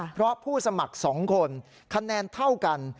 เพราะผู้สมัคร๒คนคะแนนเท่ากัน